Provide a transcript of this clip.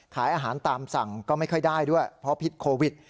ขายอาหารตามสั่งก็ไม่ค่อยได้ด้วยเพราะพิษโควิด